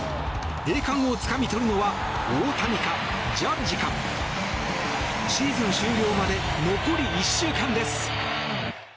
栄冠をつかみ取るのは大谷か、ジャッジかシーズン終了まで残り１週間です。